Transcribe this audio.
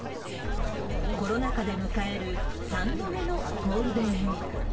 コロナ禍で迎える３度目のゴールデンウィーク。